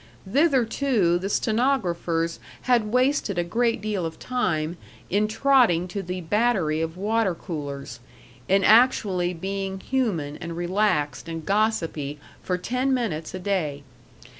Thitherto, the stenographers had wasted a great deal of time in trotting to the battery of water coolers, in actually being human and relaxed and gossipy for ten minutes a day.